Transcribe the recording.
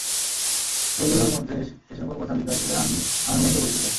এই গুলোর মধ্যে এসকল কথা লিখা আছে যা আমি আমার মেয়েকে বলতে চাই।